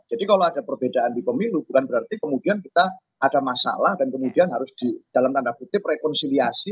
jadi kalau ada perbedaan di pemilu bukan berarti kemudian kita ada masalah dan kemudian harus di dalam tanda kutip rekonsiliasi